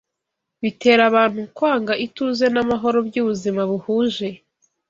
bitera abantu kwanga ituze n’amahoro byubuzima buhuje